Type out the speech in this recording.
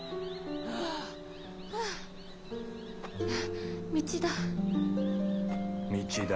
あっ道だ。